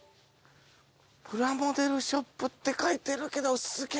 プラモデルショップって書いてるけどすげえ。